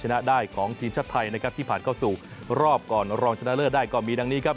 ในรอบที่ผ่านเข้าสู่รอบก่อนรองชนะเลิศได้ก็มีดังนี้ครับ